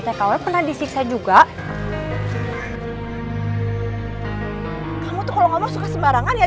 tkw pernah disiksa juga kamu tuh kalau nggak mau suka sembarangan ya